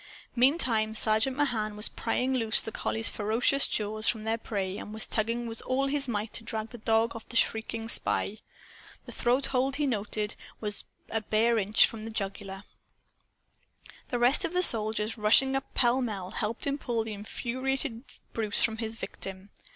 Meantime, Sergeant Mahan was prying loose the collie's ferocious jaws from their prey and was tugging with all his might to drag the dog off the shrieking spy. The throat hold, he noted, was a bare inch from the jugular. The rest of the soldiers, rushing up pell mell, helped him pull the infuriated Bruce from his victim.